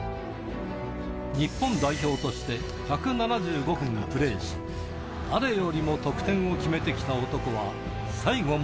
日本代表として１７５分プレーし、誰よりも得点を決めてきた男は、最後も。